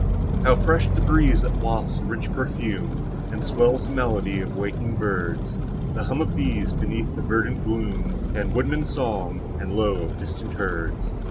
How fresh the breeze that wafts the rich perfume, And swells the melody of waking birds; The hum of bees, beneath the verdant gloom, And woodman's song, and low of distant herds!